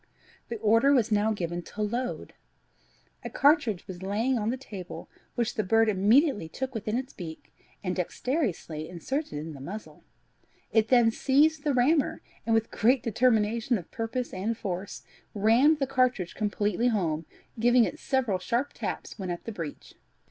The order was now given "to load." A cartridge was lying on the table, which the bird immediately took within its beak, and dexterously inserted in the muzzle; it then seized the rammer, and, with great determination of purpose and force, rammed the cartridge completely home, giving it several sharp taps when at the breech.